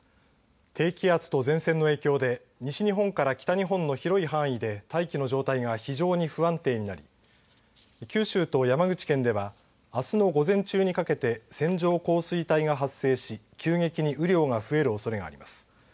低気圧と前線の影響で西日本から東日本の広い範囲で大気の状態が非常に不安定になり九州と山口県ではあすの午前中にかけて線状降水帯が発生し急激に雨量が増えるおそれがあります。